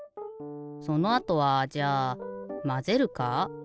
そのあとはじゃあまぜるか？